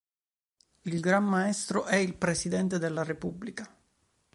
Il Gran Maestro è il Presidente della Repubblica.